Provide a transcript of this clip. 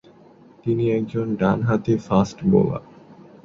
তিনি একজন ডানহাতি ফাস্ট বোলার।